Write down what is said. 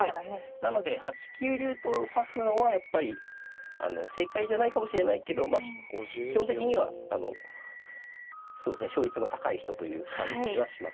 なので８九竜と指すのはやっぱり正解じゃないかもしれないけど基本的にはそうですね勝率の高い人という感じはしますね。